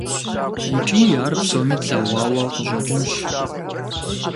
Икӏи ар псоми тлъэгъуауэ къыщӏэкӏынщ.